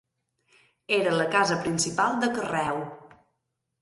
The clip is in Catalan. Era la casa principal de Carreu.